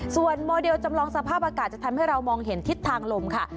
ส่วนโมเดลจำลองสภาพอากาศจะทำให้เรามองเห็นทิศทางลมค่ะ